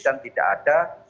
dan tidak ada